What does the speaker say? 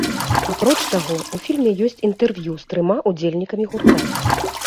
Апроч таго, у фільме ёсць інтэрв'ю з трыма ўдзельнікамі гурта.